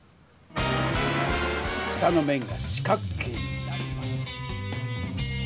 下の面が四角形になります。